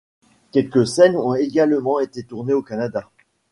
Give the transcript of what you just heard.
Quelques scènes ont également été tournées au Canada.